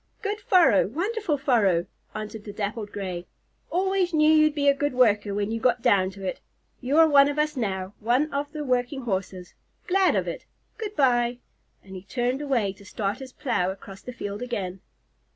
"Good furrow! Wonderful furrow!" answered the Dappled Gray. "Always knew you'd be a good worker when you got down to it. You are one of us now, one of the working Horses. Glad of it. Good bye!" And he turned away to start his plow across the field again.